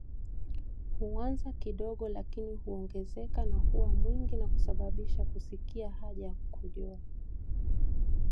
Huanza kidogo lakini huongezeka na huwa mwingi na kusababisha kusikia haja ya kukojoa